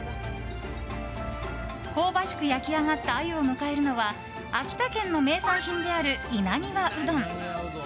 香ばしく焼きあがったアユを迎えるのは秋田県の名産品である稲庭うどん。